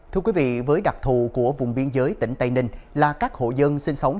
thưa quý vị với đặc thù của vùng biên giới tỉnh tây ninh là các hộ dân sinh sống